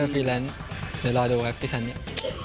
ฟรีแลนซ์เดี๋ยวรอดูครับพี่ชันนี้